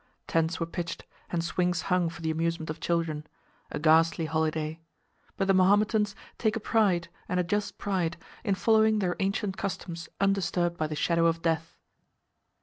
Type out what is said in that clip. Tents were pitched, and swings hung for the amusement of children—a ghastly holiday; but the Mahometans take a pride, and a just pride, in following their ancient customs undisturbed by the shadow of death.